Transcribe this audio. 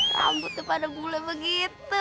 rambut tuh pada bule begitu